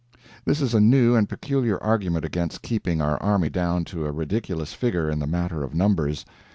This is a new and peculiar argument against keeping our army down to a ridiculous figure in the matter of numbers.